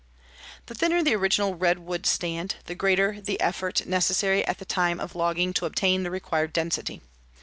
The thinner the original redwood stand, the greater the effort necessary at the time of logging to obtain the required density.